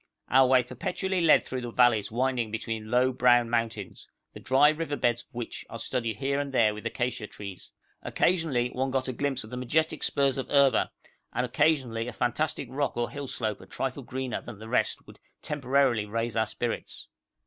Our way perpetually led through valleys winding between low brown mountains, the dry river beds of which were studded here and there with acacia trees. Occasionally one got a glimpse of the majestic spurs of Erba, and occasionally a fantastic rock or a hill slope a trifle greener than the rest would temporarily raise our spirits.